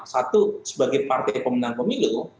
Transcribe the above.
satu sebagai partai pemenang pemilu